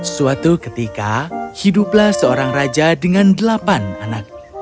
suatu ketika hiduplah seorang raja dengan delapan anak